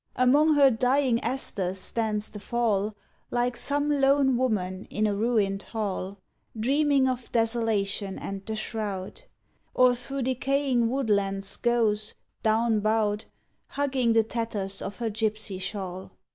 Among her dying asters stands the Fall, Like some lone woman in a ruined hall, Dreaming of desolation and the shroud; Or through decaying woodlands goes, down bowed, Hugging the tatters of her gipsy shawl.